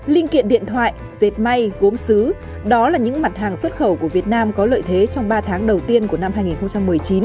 linh kiện điện thoại dệt may gốm xứ đó là những mặt hàng xuất khẩu của việt nam có lợi thế trong ba tháng đầu tiên của năm hai nghìn một mươi chín